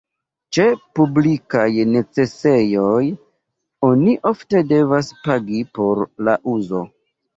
Ĉe publikaj necesejoj oni ofte devas pagi por la uzo.